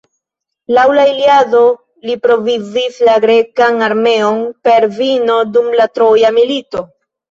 Laŭ la Iliado, li provizis la grekan armeon per vino dum la troja milito.